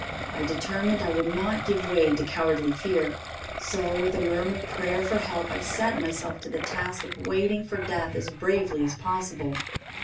I determined I would not give way to cowardly fear, so, with a murmured prayer for help, I set myself to the task of waiting for death as bravely as possible.